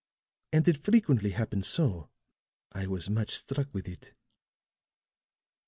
And it frequently happens so. I was much struck with it."